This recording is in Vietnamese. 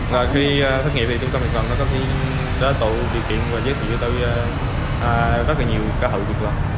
khi thất nghiệp thì trung tâm việc làm có thể giới thiệu và giới thiệu tới rất nhiều cơ hội việc làm